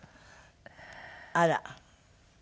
あら！